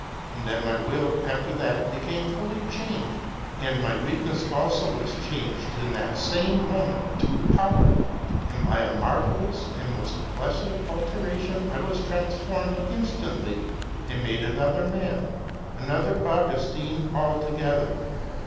And then my will after that became fully changed, and my weakness also was changed in that same moment to power, and by a marvellous and most blessed alteration I was transformed instantly and made another man, another Augustine altogether.